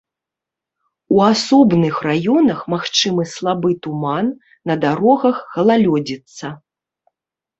У асобных раёнах магчымы слабы туман, на дарогах галалёдзіца.